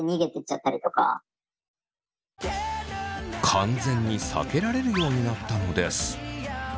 完全に避けられるようになったのです。